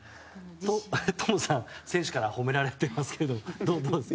トムさん、選手から褒められてますけどどうですか？